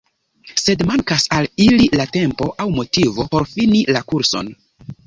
Sed mankas al ili la tempo aŭ motivo por fini la kurson.